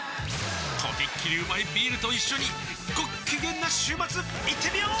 とびっきりうまいビールと一緒にごっきげんな週末いってみよー！